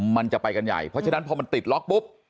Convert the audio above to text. มันจะไปกันใหญ่เพราะฉะนั้นพอมันติดล็อกปุ๊บ